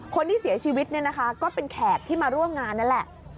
คนที่เสียชีวิตเนี่ยนะคะก็เป็นแขกที่มาร่วมงานนั่นแหละ